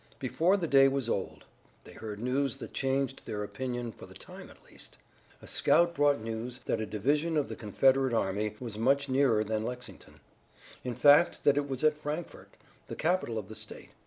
Before the day was old they heard news that changed their opinion for the time at least. A scout brought news that a division of the Confederate army was much nearer than Lexington; in fact, that it was at Frankfort, the capital of the state.